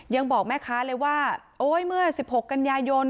ยังบอกแม่ค้าเลยว่าโอ๊ยเมื่อ๑๖กันยายน